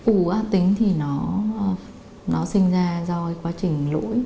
u vú ác tính thì nó sinh ra do quá trình lỗi